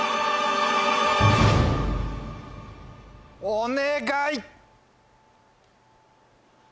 お願い！